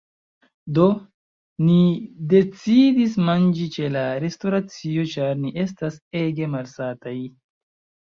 Do, ni decidis manĝi ĉe la restoracio ĉar ni estas ege malsataj